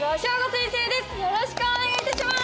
よろしくお願いします。